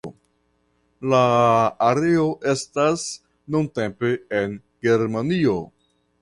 La areo estas nuntempe en Germanio.